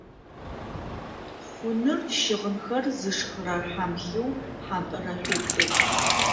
Хъуныр - щыгъынхэр зышхырэ хьамлыу, хьампӏырэшъо цӏыкӏу.